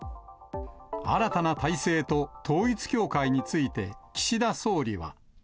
新たな体制と統一教会について、岸田総理は。